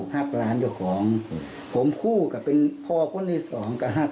หลายกรณีแต่ว่าผมก็ไม่เคยถึงเหรอ